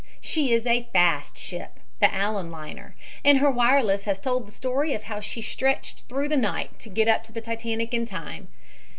She is a fast ship, the Allan liner, and her wireless has told the story of how she stretched through the night to get up to the Titanic in time.